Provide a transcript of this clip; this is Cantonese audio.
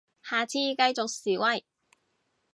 下次繼續示威